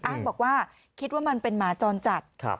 บอกว่าคิดว่ามันเป็นหมาจรจัด